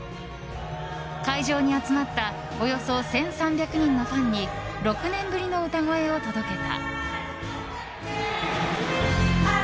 会場に集まったおよそ１３００人のファンに６年ぶりの歌声を届けた。